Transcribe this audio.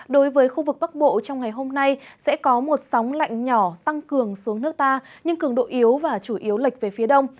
đối với khu vực bắc bộ trong ngày hôm nay sẽ có một sóng lạnh nhỏ tăng cường xuống nước ta nhưng cường độ yếu và chủ yếu lệch về phía đông